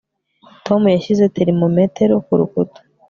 Tom yashyize termometero kurukuta